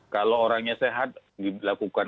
kalau orangnya sehat dilakukan